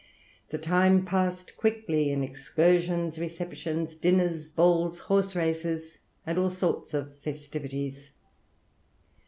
The time passed quickly in excursions, receptions, dinners, balls, horse races, and all sorts of festivities.